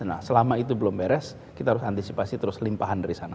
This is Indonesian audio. nah selama itu belum beres kita harus antisipasi terus limpahan dari sana